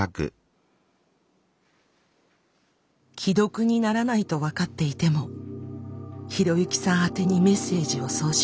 既読にならないと分かっていても啓之さん宛てにメッセージを送信。